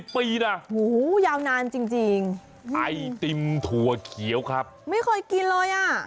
ปีนะยาวนานจริงไอติมถั่วเขียวครับไม่เคยกินเลยอ่ะ